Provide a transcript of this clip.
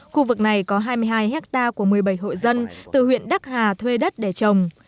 khu vực này có hai mươi hai hectare của một mươi bảy hộ dân từ huyện đắc hà thuê đất để trồng